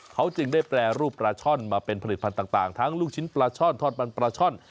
เขาจึงได้แปรรูปปลาช่อนมาเป็นผลิตภัณฑ์ต่างทั้งลูกชิ้นปลาช่อนทอดมันปลาช่อน